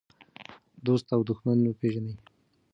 دوست او دښمن وپېژنئ.